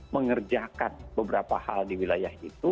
mengerjakan beberapa hal di wilayah itu